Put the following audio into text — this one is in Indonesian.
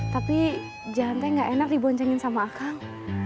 tapi jahe gak enak diboncengin sama akang